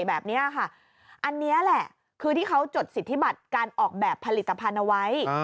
แบบนี้ค่ะอันนี้แหละคือที่เขาจดสิทธิบัตรการออกแบบผลิตภัณฑ์เอาไว้